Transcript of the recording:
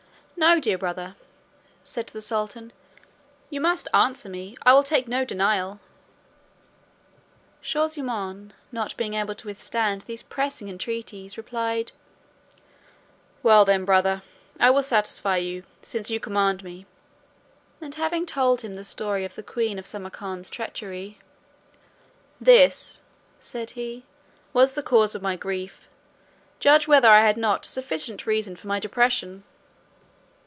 "No, dear brother," said the sultan, "you must answer me, I will take no denial." Shaw zummaun, not being able to withstand these pressing entreaties, replied, "Well then, brother, I will satisfy you, since you command me ;" and having told him the story of the queen of Samarcand's treachery "This," said he, "was the cause of my grief; judge whether I had not sufficient reason for my depression."